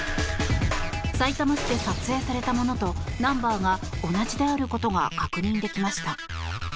さいたま市で撮影されたものとナンバーが同じであることが確認できました。